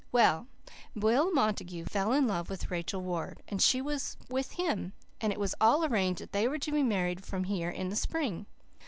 Well, Will Montague fell in love with Rachel Ward, and she with him, and it was all arranged that they were to be married from here in the spring.